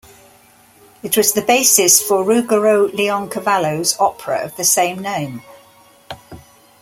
It was the basis for Ruggero Leoncavallo's opera of the same name.